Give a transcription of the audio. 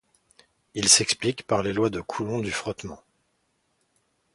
Il s'explique par les lois de Coulomb du frottement.